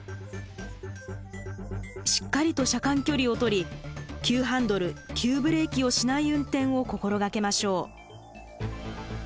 しっかりと車間距離を取り急ハンドル急ブレーキをしない運転を心掛けましょう。